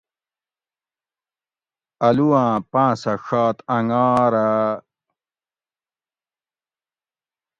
آلو آۤں پانسہ ڛات انگارہ